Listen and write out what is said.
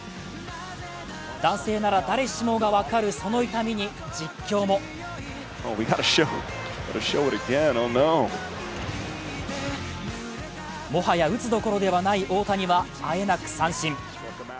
男性なら誰しもが分かるその痛みに実況ももはや打つどころではない大谷はあえなく三振。